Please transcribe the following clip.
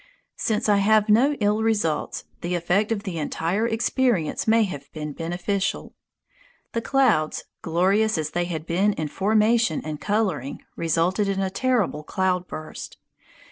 Since I have felt no ill results, the effect of the entire experience may have been beneficial. The clouds, glorious as they had been in formation and coloring, resulted in a terrible cloudburst.